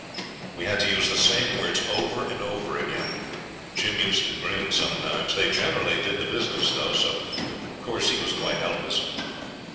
We had to use the same words over and over again. Jim used to grin sometimes. They generally did the business, though, so of course he was quite helpless.